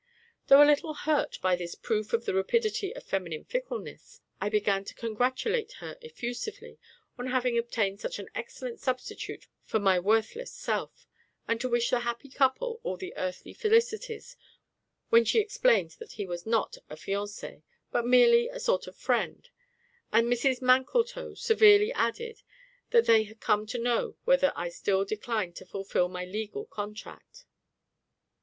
Though a little hurt by this proof of the rapidity of feminine fickleness, I began to congratulate her effusively on having obtained such an excellent substitute for my worthless self, and to wish the happy couple all earthly felicities, when she explained that he was not a fiancé, but merely a sort of friend, and Mrs MANKLETOW severely added that they had come to know whether I still declined to fulfil my legal contract.